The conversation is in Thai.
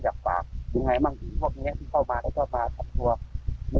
มาหลายวันค่ะคือมาแบบมาแปลกค่ะ